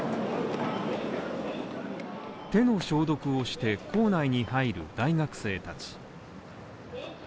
手の消毒をして構内に入る大学生たち。